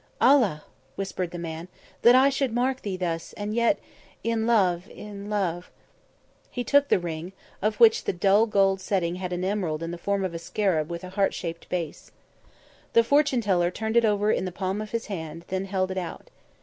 "Allah!" whispered the man, "that I should mark thee thus and yet, in love in love!" He took the ring, of which the dull gold setting held an emerald in the form of a scarab with heartshaped base. The fortune teller turned it over in the palm of his hand, then held it out.